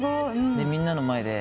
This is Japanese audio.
みんなの前で。